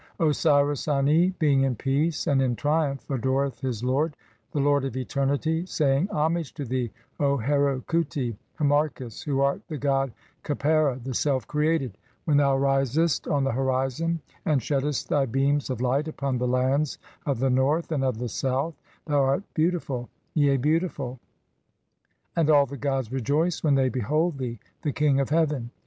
Osiris Ani, being in peace and in triumph, adoreth his lord, (7) the lord of eternity, saying : "Homage to thee, O Heru khuti "(Harmachis), who art the god Khepera, the self created ; when "thou risest on the (8) horizon and sheddest thy beams of light "upon the lands of the North and of the South, thou art beauti "ful, yea beautiful, and all the gods rejoice when thev behold "thee, (9) the King of heaven.